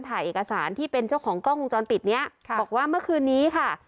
ถ่ายเอกสารที่เป็นเจ้าของกล้องวงจรปิดเนี้ยค่ะบอกว่าเมื่อคืนนี้ค่ะ